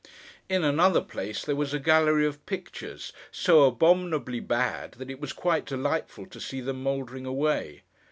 In another place, there was a gallery of pictures: so abominably bad, that it was quite delightful to see them mouldering away.